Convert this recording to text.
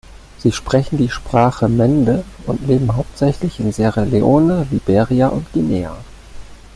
Sie sprechen die Sprache Mende und leben hauptsächlich in Sierra Leone, Liberia und Guinea.